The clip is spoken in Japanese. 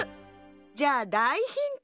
じゃあだいヒント。